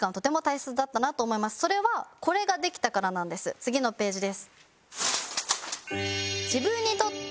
次のページです。